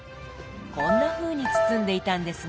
こんなふうに包んでいたんですね。